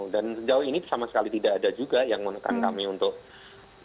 dan sejauh ini sama sekali tidak ada juga yang menekan kami untuk menekan kami